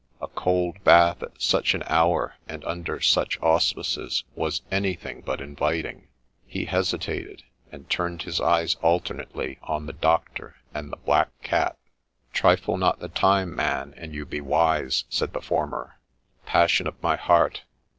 A cold bath, at such an hour and under such auspices, was anything but inviting : he hesitated, and turned his eyes alternately on the Doctor and the Black Cat. ' Trifle not the time, man, an you be wise,' said the former. * Passion of my heart